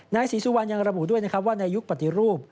นายศรีสุวรรณยังระบุด้วยนะครับว่าในยุคปฏิรูป